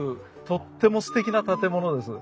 とってもすてきな建物です。